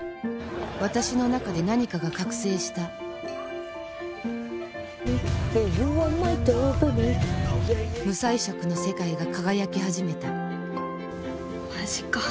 私の中で何かが覚醒した無彩色の世界が輝き始めたマジか。